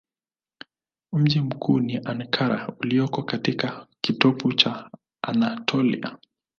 Mji mkuu ni Ankara ulioko katika kitovu cha Anatolia.